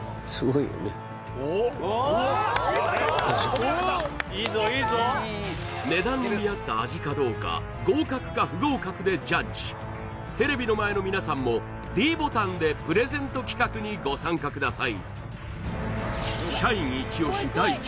大丈夫値段に見合った味かどうか合格か不合格でジャッジテレビの前の皆さんもｄボタンでプレゼント企画にご参加ください